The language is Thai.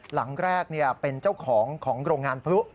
หลังแรกเป็นเจ้าของของโรงงานพลุ